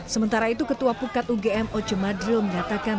sementara itu ketua pukat ugm oce madril mengatakan